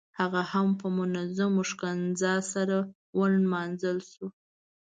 هغه هم په منظمونه ښکنځا سره ونمانځل شو.